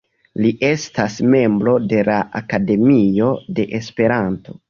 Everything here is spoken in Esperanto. Li estas membro de la Akademio de Esperanto.